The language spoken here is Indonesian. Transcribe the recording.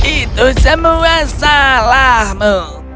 itu semua salahmu